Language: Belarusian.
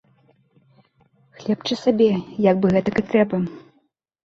Хлебча сабе, як бы гэтак і трэба.